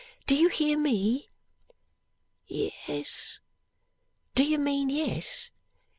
Do you hear me?' 'Yes.' 'Do you mean Yes?